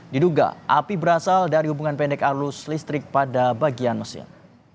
diduga api berasal dari hubungan pendek arus listrik pada bagian mesin